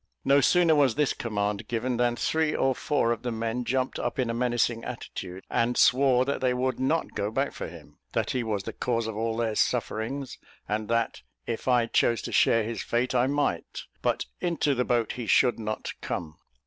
No sooner was this command given, than three or four of the men jumped up in a menacing attitude, and swore that they would not go back for him; that he was the cause of all their sufferings; and that if I chose to share his fate, I might, but into the boat he should not come.